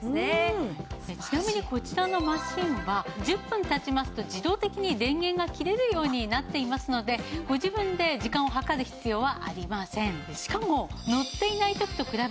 ちなみにこちらのマシンは１０分経ちますと自動的に電源が切れるようになっていますのでご自分で時間を計る必要はありません。